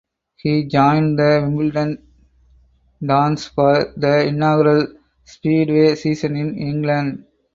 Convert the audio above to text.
He joined the Wimbledon Dons for the inaugural speedway season in England.